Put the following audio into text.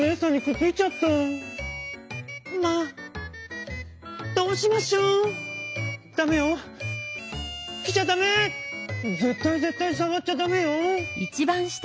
「ぜったいぜったいさわっちゃダメよ！」。